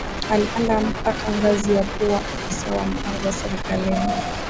Alipanda mpaka ngazi ya kuwa afisa wa mipango serikalini